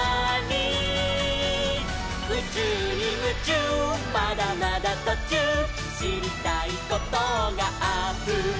「うちゅうにムチューまだまだとちゅう」「しりたいことがあふれる」